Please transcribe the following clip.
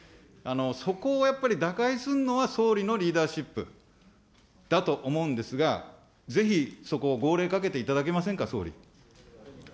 そこをやっぱり打開するのは、総理のリーダーシップだと思うんですが、ぜひ、そこを号令かけていただけませんか、総理。